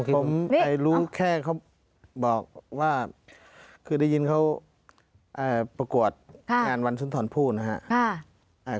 ผมรู้แค่เขาบอกว่าคือได้ยินเขาประกวดงานวันสุนทรพูดนะครับ